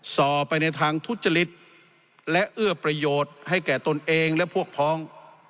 ส่อไปในทางทุจริตและเอื้อประโยชน์ให้แก่ตนเองและพวกพ้อง